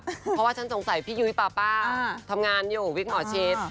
เพราะว่าฉันสงสัยพี่ยุ้ยปาป้าทำงานอยู่วิกหมอชิด